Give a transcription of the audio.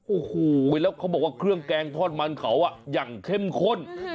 โอ้โหแล้วเขาบอกว่าเครื่องแกงทอดมันเขาอย่างเข้มข้น